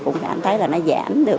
cũng cảm thấy là nó giảm được